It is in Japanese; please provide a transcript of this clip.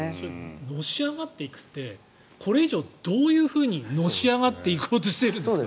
のし上がっていくってこれ以上どういうふうにのし上がっていこうとしてるんですか。